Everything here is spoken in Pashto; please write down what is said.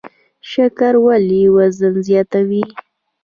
شکر ولې وزن زیاتوي؟